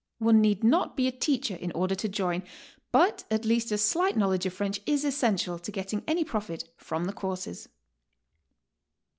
One need not be a teacher in order to join, but at least a slight knowl edge of Frendh is esisential to getting any profit from the courses.